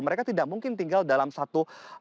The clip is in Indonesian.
mereka tidak mungkin tinggal dalam satu atap sebuah rumah